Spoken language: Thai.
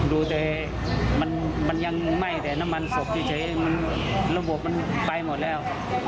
ดูแต่มันยังไหม้แต่น้ำมันศพเฉยมันระบบมันไปหมดแล้ว